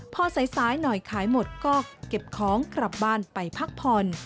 พอสายหน่อยขายหมดก็เก็บของกลับบ้านไปพักผ่อน